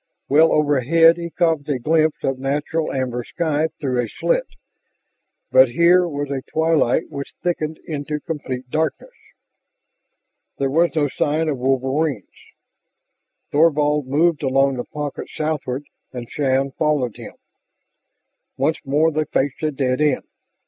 Well overhead he caught a glimpse of natural amber sky through a slit, but here was a twilight which thickened into complete darkness. There was no sign of wolverines. Thorvald moved along the pocket southward, and Shann followed him. Once more they faced a dead end.